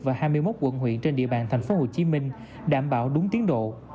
và hai mươi một quận huyện trên địa bàn thành phố hồ chí minh đảm bảo đúng tiến độ